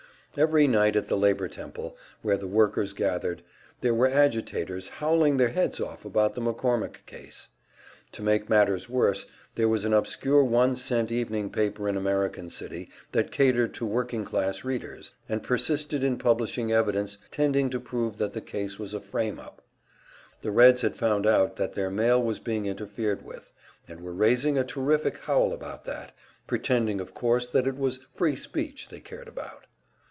Every night at the Labor Temple, where the workers gathered, there were agitators howling their heads off about the McCormick case. To make matters worse, there was an obscure one cent evening paper in American City which catered to working class readers, and persisted in publishing evidence tending to prove that the case was a "frame up." The Reds had found out that their mail was being interfered with, and were raising a terrific howl about that pretending, of course, that it was "free speech" they cared about!